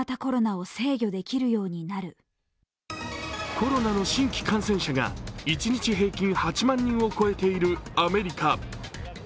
コロナの新規感染者が一日平均８万人を超えているアメリカ。